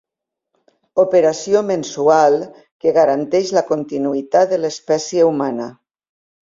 Operació mensual que garanteix la continuïtat de l'espècie humana.